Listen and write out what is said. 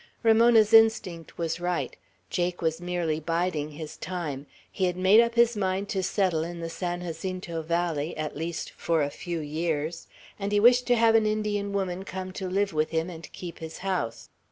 Ramona's instinct was right. Jake was merely biding his time. He had made up his mind to settle in the San Jacinto valley, at least for a few years, and he wished to have an Indian woman come to live with him and keep his house.